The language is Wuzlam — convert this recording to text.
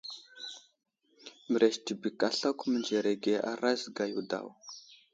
Mərez tibik aslako mənzerege a razga yo daw.